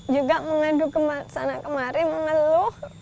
juga mengadu ke sana kemarin mengeluh